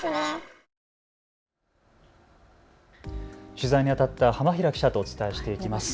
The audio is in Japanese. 取材にあたった浜平記者とお伝えしていきます。